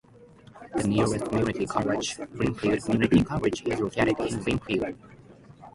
The nearest community college, Greenfield Community College, is located in Greenfield.